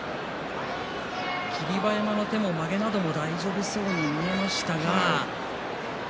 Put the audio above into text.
霧馬山の手やまげなども大丈夫そうに見えましたが。